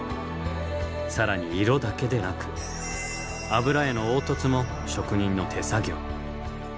更に色だけでなく油絵の凹凸も職人の手作業。